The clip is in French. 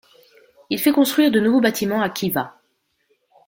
Il fait construire de nouveaux bâtiments à Khiva.